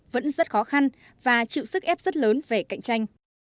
vẫn rất khó khăn và chịu sức ép rất lớn về cạnh tranh